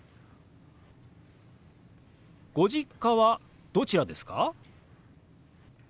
ご実家はどちらですか？